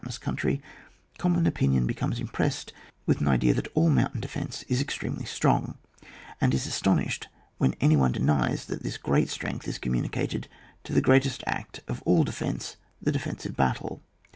tainous country, common opinion be comes impressed with an idea that all mountain defence is extremely strong, and is astonished when any one denies that this great strength is communicated to the greatest act of all defence, the defensive battle.